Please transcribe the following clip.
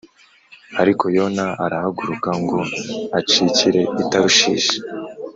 Ariko Yona arahaguruka ngo acikire i Tarushishi